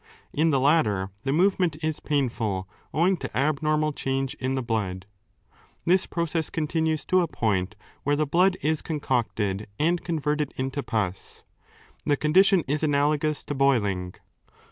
In the latter the move ment is painful owing to abnormal change in the blood. This process continues to a point where the blood is 4 concocted and converted into pus. The condition is analogous to boiling.